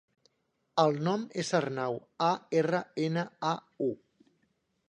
El nom és Arnau: a, erra, ena, a, u.